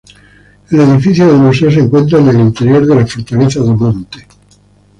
El edificio del museo se encuentra en el interior de la Fortaleza do Monte.